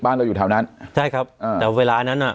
เราอยู่แถวนั้นใช่ครับอ่าแต่เวลานั้นอ่ะ